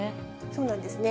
そうなんですね。